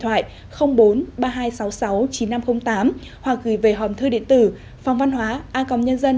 theo kỳ đóng góp của quý vị xin gọi về số điện thoại bốn ba nghìn hai trăm sáu mươi sáu chín nghìn năm trăm linh tám hoặc gửi về hòm thư điện tử phongvănhoaacomnn org vn